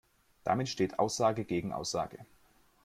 Damit steht Aussage gegen Aussage.